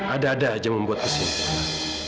ada ada aja membuat kesimpulan